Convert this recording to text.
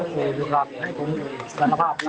อ๋อบุริภาพตัวผม